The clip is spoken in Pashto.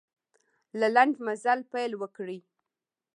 له لنډ مزله پیل وکړئ.